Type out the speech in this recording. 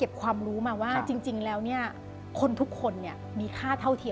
เออเขาเรียกว่าอะไร